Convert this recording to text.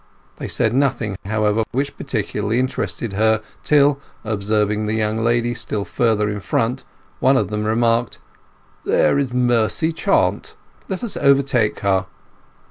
They said nothing, however, which particularly interested her till, observing the young lady still further in front, one of them remarked, "There is Mercy Chant. Let us overtake her."